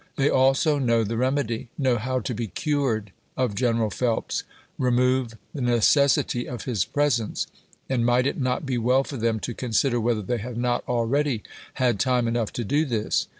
They also know the remedy — know how to be cured of General Phelps. Remove the necessity of his presence. And might it not be well for them to consider whether they have not already had time enough to do this